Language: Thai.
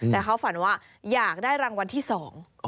แต่เขาฝันว่าอยากได้รางวัลที่สอง